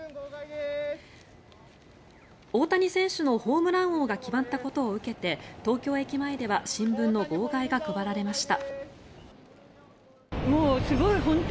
大谷選手のホームラン王が決まったことを受けて東京駅前では新聞の号外が配られました。